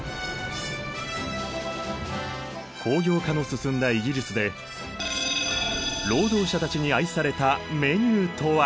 工業化の進んだイギリスで労働者たちに愛されたメニューとは？